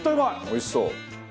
おいしそう。